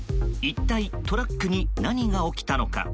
一体トラックに何が起きたのか。